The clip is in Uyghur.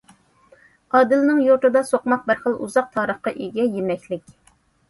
ئادىلنىڭ يۇرتىدا سوقماق بىر خىل ئۇزاق تارىخقا ئىگە يېمەكلىك.